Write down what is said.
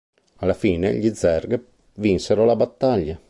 Alla fine, gli Zerg vinsero la battaglia.